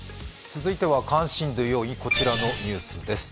続いては関心度４位、こちらのニュースです。